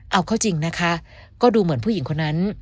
เอาเข้าจริงนะคะก็ดูเหมือนผู้หญิงคนนั้น